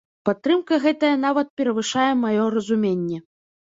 Падтрымка гэтая нават перавышае маё разуменне.